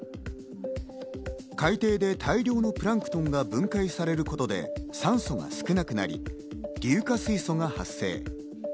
海底で大量のプランクトンが分解されることで酸素が少なくなり硫化水素が発生。